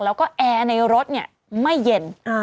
แล้วก็แอร์ในรถไม่เย็น